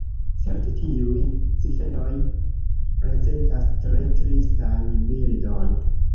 Certe tiuj ciferoj prezentas tre tristan bildon.